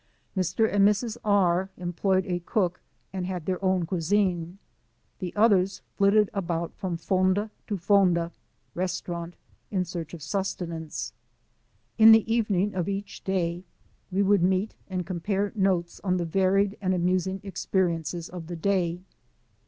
Mr. and Mrs. R employed a cook and had their own cuisine, the others flitted about from fonda to fonda (restaurant)*in search (5f sustenance. In the evening of each day we would meet and compare notes on the varied and amusing experiences of the day.